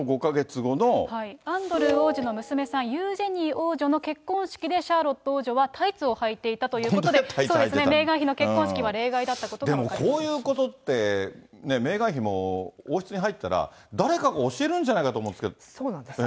アンドルー王子の娘さん、ユージェニー王女の結婚式で、シャーロット王女はタイツを履いていたということで、メーガン妃の結婚式は例外だったことが分かりまでもこういうことって、ね、メーガン妃も王室に入ったら誰かが教えるんじゃないかと思うんでそうです。